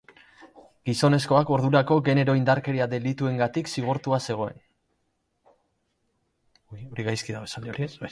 Gizonezkoak ordurako genero-indarkeria delituengatik zigortua zegoen.